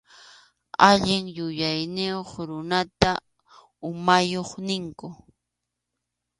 Allin yuyayniyuq runata umayuq ninkum.